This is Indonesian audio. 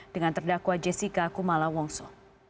dengan terdakwa jessica kumala wongso